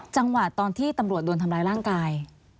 จังหวะตอนที่ตำรวจโดนทำร้ายร่างกาย